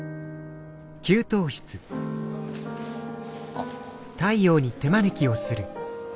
あっ。